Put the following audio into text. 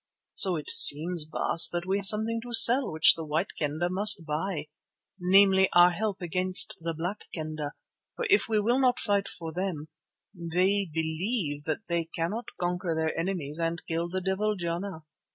So it seems, Baas, that we have something to sell which the White Kendah must buy, namely our help against the Black Kendah, for if we will not fight for them, they believe that they cannot conquer their enemies and kill the devil Jana.